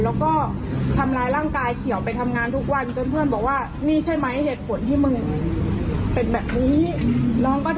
แล้วก็ทำร้ายร่างกายเขียวไปทำงานทุกวันจนเพื่อนบอกว่านี่ใช่ไหมเหตุผลที่มึงเป็นแบบนี้